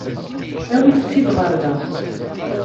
Awit-t-id ɣer da.